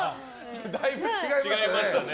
だいぶ違いましたよ。